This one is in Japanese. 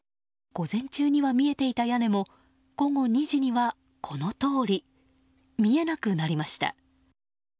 午前中には見えていた屋根も午後２時にはこのとおり見えなくなりました。